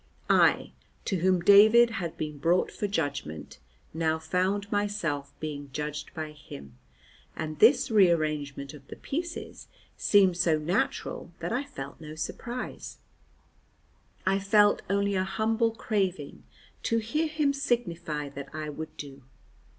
I to whom David had been brought for judgment, now found myself being judged by him, and this rearrangement of the pieces seemed so natural that I felt no surprise; I felt only a humble craving to hear him signify that I would do.